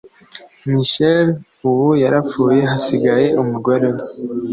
Michel ubu yarapfuye hasigaye umugore we